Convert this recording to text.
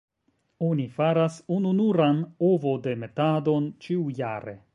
Oni faras ununuran ovodemetadon ĉiujare.